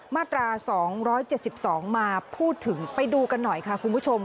มาตรา๒๗๒มาพูดถึงไปดูกันหน่อยค่ะคุณผู้ชม